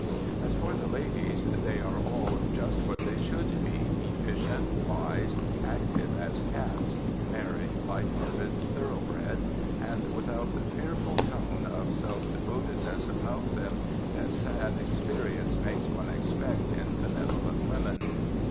As for the ladies, they are just what they should be, efficient, wise, active as cats, merry, lighthearted, thoroughbred, and without the fearful tone of self devotedness about them that sad experience makes one expect in benevolent women.